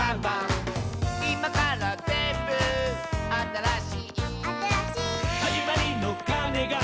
「いまからぜんぶあたらしい」「あたらしい」「はじまりのかねが」